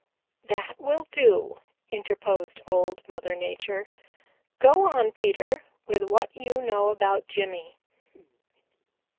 "That will do," interposed Old Mother Nature. "Go on, Peter, with what you know about Jimmy."